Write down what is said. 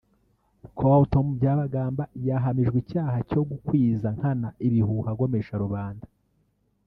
Col Tom Byabagamba yahamijwe icyaha cyo gukwiza nkana ibihuha agomesha rubanda